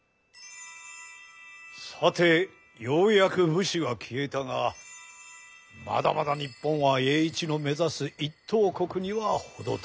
さてようやく武士は消えたがまだまだ日本は栄一の目指す一等国には程遠い。